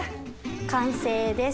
完成です。